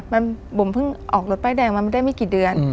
มันบุ๋มเพิ่งออกรถป้ายแดงมาได้ไม่กี่เดือน